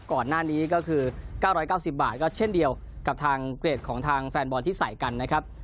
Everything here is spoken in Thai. ก่อนหน้านี้ก็คือ๙๙๐บาทก็เช่นเดียวกับทางเกรดของทางแฟนบอลที่ใส่กันนะครับ